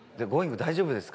大丈夫ですか？